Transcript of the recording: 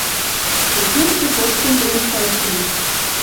Техень тӹгодшен тӹдӹн цӓш ли